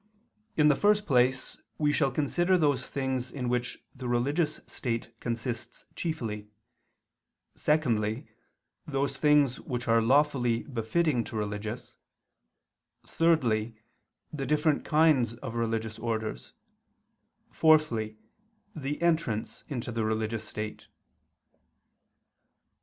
In the first place we shall consider those things in which the religious state consists chiefly; secondly, those things which are lawfully befitting to religious; thirdly, the different kinds of religious orders; fourthly, the entrance into the religious state.